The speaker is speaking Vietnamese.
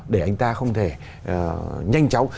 để anh ta không thể nhanh chóng